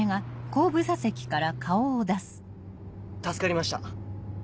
助かりました。